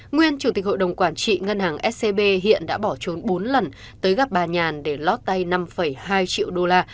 nguyên chủ tịch hội đồng quản trị ngân hàng scb hiện đã bỏ trốn bốn lần tới gặp bà nhàn để lót tay năm hai triệu đô la